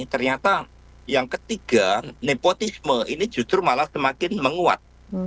ternyata yang ketiga nepotisme ini justru malah semakin menguat